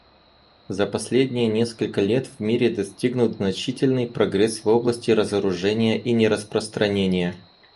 За последние несколько лет в мире достигнут значительный прогресс в области разоружения и нераспространения.